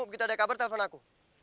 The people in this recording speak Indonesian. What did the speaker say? begitu ada kabar telepon aku